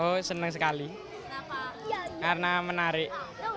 oh senang sekali karena menarik